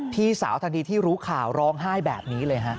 พี่สาวทันทีที่รู้ข่าวร้องไห้แบบนี้เลยฮะ